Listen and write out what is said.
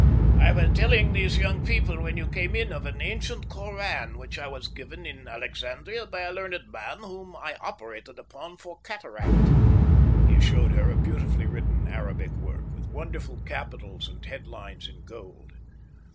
"I was telling these young people, when you came in, of an ancient Korân which I was given in Alexandria by a learned man whom I operated upon for cataract." He showed her a beautifully written Arabic work, with wonderful capitals and headlines in gold.